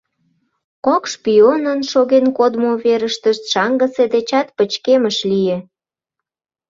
Кок шпионын шоген кодмо верыштышт шаҥгысе дечат пычкемыш лие.